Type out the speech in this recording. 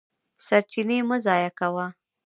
سرچینې مه ضایع کوه.